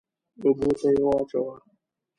اوبو ته يې واچوه.